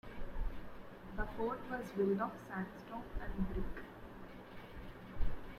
The fort was built of sandstone and brick.